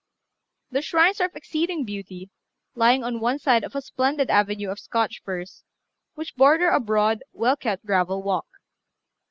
The shrines are of exceeding beauty, lying on one side of a splendid avenue of Scotch firs, which border a broad, well kept gravel walk.